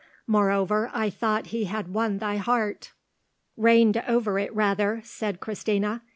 Moreover, I thought he had won thy heart." "Reigned over it, rather," said Christina.